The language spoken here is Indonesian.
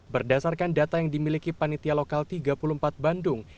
berdasarkan data yang dimiliki panitia lokal tiga puluh empat bandung